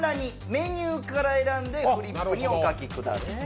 メニューから選んでフリップにお書きください。